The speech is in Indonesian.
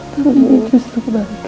tapi ini justru kembali ke hati